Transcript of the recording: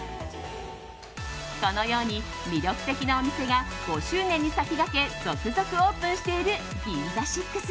このように魅力的なお店が５周年に先駆け続々オープンしているＧＩＮＺＡＳＩＸ。